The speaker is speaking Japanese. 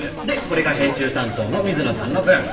でこれが編集担当の水野さんの分。